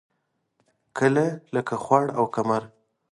کله لکه خوړ او کمر.